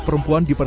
per bulan itu